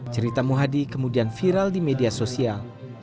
cerita muhadi kemudian viral di media sosial